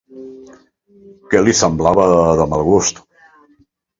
Què li semblava de mal gust?